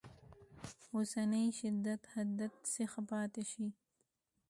اوسني شدت حدت څخه پاتې شي.